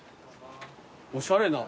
おしゃれな。